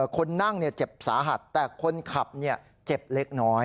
คนนั่งเจ็บสาหัสแต่คนขับเจ็บเล็กน้อย